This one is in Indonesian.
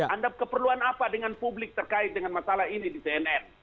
anda keperluan apa dengan publik terkait dengan masalah ini di cnn